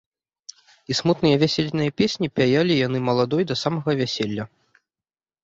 І смутныя вясельныя песні пяялі яны маладой да самага вяселля.